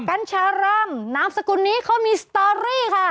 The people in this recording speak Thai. กัญชารำนามสกุลนี้เขามีสตอรี่ค่ะ